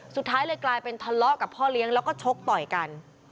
สุดท้ายเลยกลายเป็นทะเลาะกับพ่อเลี้ยงแล้วก็ชกต่อยกัน